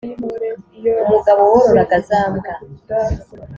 umugabo wororaga za mbwa,